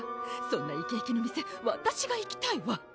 そんなイケイケの店わたしが行きたいわ